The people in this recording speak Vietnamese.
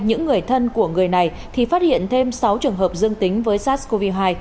những người thân của người này thì phát hiện thêm sáu trường hợp dương tính với sars cov hai